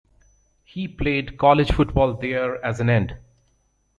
He played college football there as an end.